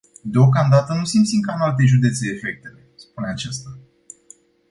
Deocamdată nu simțim ca în alte județe efectele, spune acesta.